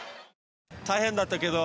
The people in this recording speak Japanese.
大変だったけど。